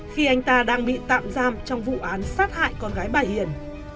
khi anh ta đang bị tạm giam trong vụ án sát hại con gái bà hiền